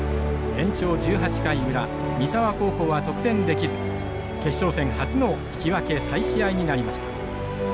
延長１８回裏三沢高校は得点できず決勝戦初の引き分け再試合になりました。